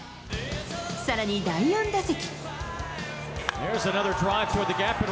さらに第４打席。